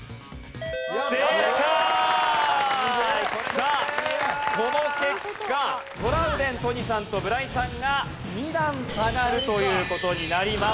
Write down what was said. さあこの結果トラウデン都仁さんと村井さんが２段下がるという事になります。